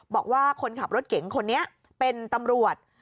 บอกว่าคนขับรถเก๋งคนนี้เป็นตำรวจ